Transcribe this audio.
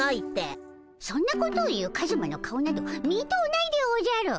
そんなことを言うカズマの顔など見とうないでおじゃる。